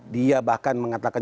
dia bahkan mengatakan